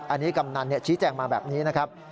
อันนี้กำนันชี้แจงมาแบบนี้นะครับ